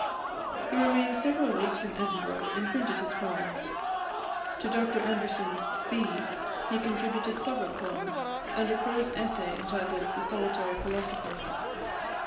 He remained several weeks in Edinburgh, and printed his poem. To Dr Anderson's "Bee" he contributed several poems, and a prose essay, entitled "The Solitary Philosopher."